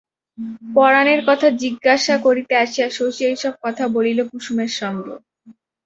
পরানের কথা জিজ্ঞাসা করিতে আসিয়া শশী এইসব কথা বলিল কুসুমের সঙ্গে।